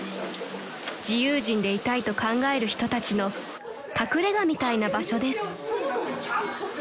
［自由人でいたいと考える人たちの隠れ家みたいな場所です］